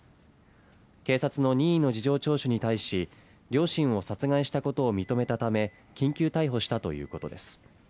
警察の任意の事情聴取に対し両親を殺害したことを認めたため緊急逮捕したということです。